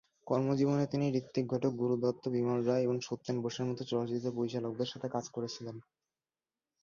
কর্মজীবনে তিনি ঋত্বিক ঘটক, গুরু দত্ত, বিমল রায় এবং সত্যেন বোসের মতো চলচ্চিত্র পরিচালকদের সাথে কাজ করেছিলেন।